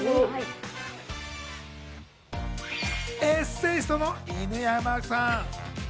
エッセイストの犬山さん。